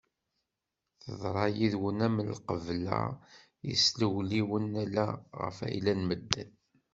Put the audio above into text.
Teḍra yid-wen am lqabla yeslewliwen ala ɣef ayla n medden.